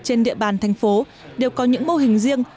trên địa bàn thành phố đều có những mô hình riêng